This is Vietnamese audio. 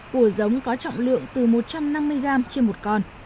của giống có trọng lượng từ một trăm năm mươi gram trên một con